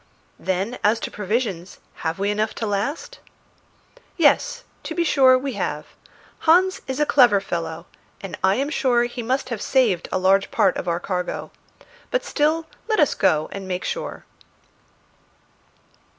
"Then, as to provisions, have we enough to last?" "Yes; to be sure we have. Hans is a clever fellow, and I am sure he must have saved a large part of our cargo. But still let us go and make sure."